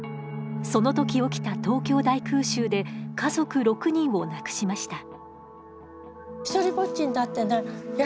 その時起きた東京大空襲で家族６人を亡くしました